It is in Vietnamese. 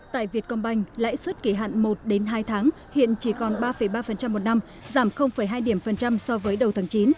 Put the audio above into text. tại việt công banh lãi suất kỳ hạn một hai tháng hiện chỉ còn ba ba một năm giảm hai điểm phần trăm so với đầu tháng chín